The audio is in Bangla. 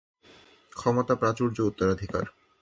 ক্ষমতা, প্রাচুর্য, উত্তরাধিকার।